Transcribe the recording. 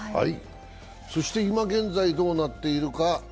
そして今現在、どうなっているか。